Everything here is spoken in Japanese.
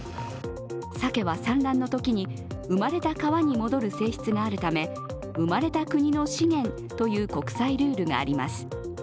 さけは産卵のときに、生まれた川に戻る性質があるため生まれた国の資源という国際ルールがあります。